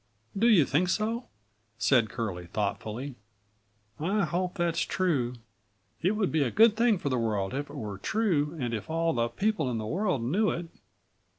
"Do you think so?" said Curlie thoughtfully. "I hope that's true. It would be a good thing for the world if it were true and if all the people in the world knew it.